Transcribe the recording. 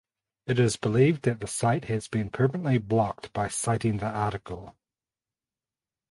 It is believed that the site has been permanently blocked by citing the article.